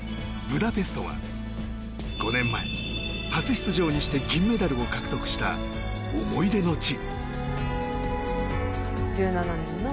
ブダペストは５年前、初出場にして銀メダルを獲得した思い出の地。